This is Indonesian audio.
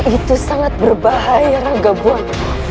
itu sangat berbahaya ranggabuang